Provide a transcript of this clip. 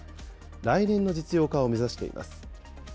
来年の実用化を目指しています。